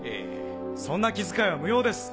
そんな気遣いは無用です！